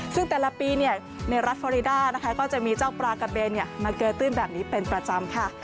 ซึ่งแต่ละปีในรัฐฟอริดานะคะก็จะมีเจ้าปลากระเบนมาเกยตื้นแบบนี้เป็นประจำค่ะ